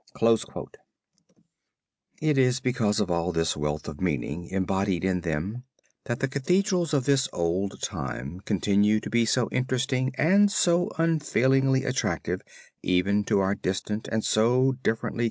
It is because of all this wealth of meaning embodied in them, that the Cathedrals of this old time continue to be so interesting and so unfailingly attractive even to our distant and so differently constituted generation.